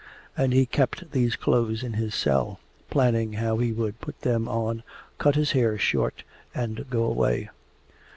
And he kept these clothes in his cell, planning how he would put them on, cut his hair short, and go away.